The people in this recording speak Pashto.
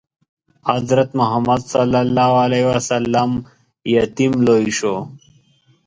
حضرت محمد ﷺ یتیم لوی شو.